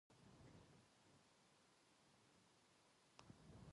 ご不明な点がございましたらお知らせください。